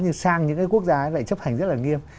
nhưng sang những cái quốc gia lại chấp hành rất là nghiêm